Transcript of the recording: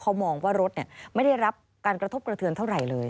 เขามองว่ารถไม่ได้รับการกระทบกระเทือนเท่าไหร่เลย